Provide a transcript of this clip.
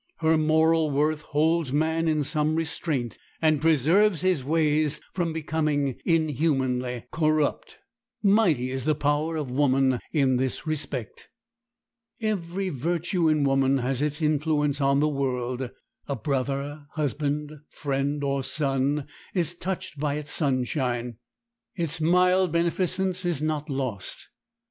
Her moral worth holds man in some restraint, and preserves his ways from becoming inhumanly corrupt. Mighty is the power of woman in this respect. Every virtue in woman has its influence on the world. A brother, husband, friend, or son is touched by its sunshine. Its mild beneficence is not lost.